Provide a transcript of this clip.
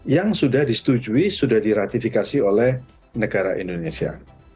yang sudah disetujui sudah diratifikasi oleh negara indonesia